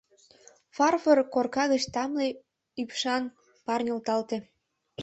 Фарфор корка гыч тамле ӱпшан пар нӧлталте.